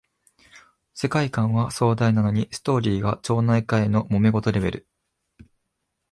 世界観は壮大なのにストーリーが町内会のもめ事レベル